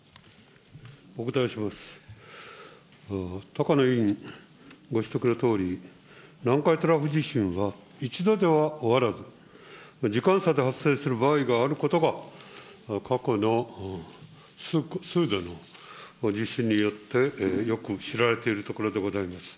高野委員ご指摘のとおり、南海トラフ地震は一度では終わらず、時間差で発生する場合があることが、過去の数度の地震によってよく知られているところでございます。